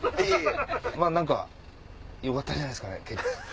何かよかったんじゃないですかね。